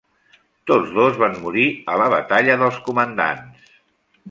Tots dos van morir a la batalla dels comandants.